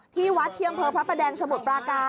ที่วัดเทียงเภอพระประแดงสมุดปราการ